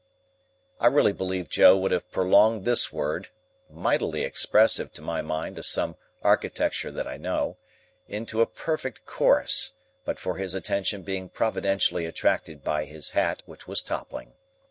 I really believe Joe would have prolonged this word (mightily expressive to my mind of some architecture that I know) into a perfect Chorus, but for his attention being providentially attracted by his hat, which was toppling.